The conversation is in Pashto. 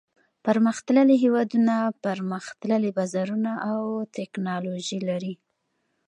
پرمختللي هېوادونه پرمختللي بازارونه او تکنالوجي لري.